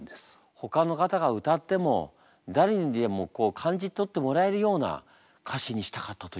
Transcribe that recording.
ほかの方が歌っても誰にでも感じ取ってもらえるような歌詞にしたかったという。